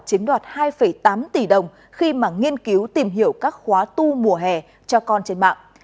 chiếm đoạt hai tám tỷ đồng khi mà nghiên cứu tìm hiểu các khóa tu mùa hè cho con trên mạng